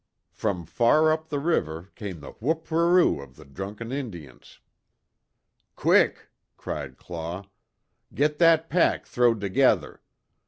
From far up the river came the whoop whoroo of the drunken Indians. "Quick," cried Claw, "Git that pack throw'd together.